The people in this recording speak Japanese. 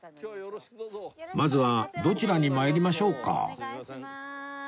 まずはどちらに参りましょうか？